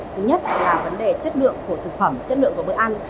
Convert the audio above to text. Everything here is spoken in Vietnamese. thứ nhất là vấn đề chất lượng của thực phẩm chất lượng của bữa ăn